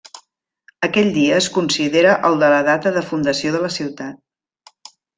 Aquell dia es considera el de la data de fundació de la ciutat.